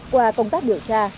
qua công tác biểu tra